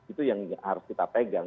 itu yang harus kita pegang